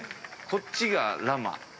こっちが、ラマ。